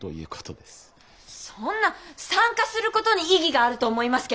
そんな参加することに意義があると思いますけど。